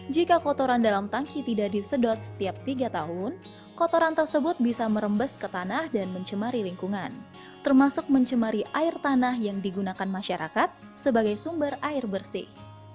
jika kotoran dalam tangki tidak disedot setiap tiga tahun kotoran tersebut bisa merembes ke tanah dan mencemari lingkungan termasuk mencemari air tanah yang digunakan masyarakat sebagai sumber air bersih